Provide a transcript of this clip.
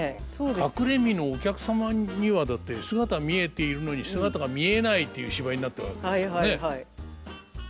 隠れ蓑お客様にはだって姿見えているのに姿が見えないっていう芝居になってるわけですからね。